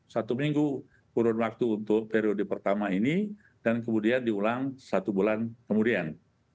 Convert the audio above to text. satu minggu kurun waktu untuk periode pertama ini dan kemudian diulang satu bulan kemudian